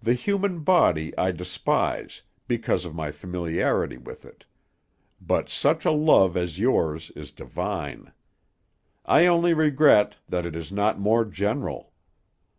The human body I despise, because of my familiarity with it; but such a love as yours is divine. I only regret that it is not more general.